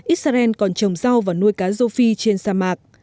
israel còn trồng rau và nuôi cá rô phi trên sa mạc